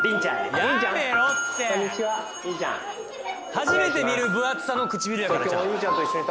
初めて見る分厚さの唇やからちゃうん？